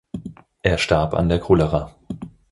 Er starb an der Cholera.